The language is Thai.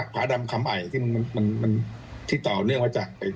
ผาดำคำไอของตีแล้วแล้วถ้าคนกล้าเดินกล้าดูก็น่าจะดี